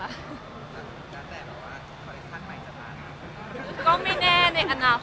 แน่ใจเหรอว่าคอลเลสชั่นใหม่จะมานะ